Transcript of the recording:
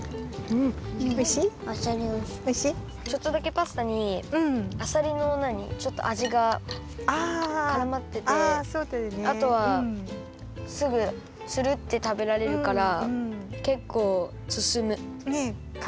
ちょっとだけパスタにあさりのあじがからまっててあとはすぐツルッてたべられるからけっこうすすむ。